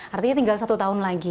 artinya tinggal satu tahun lagi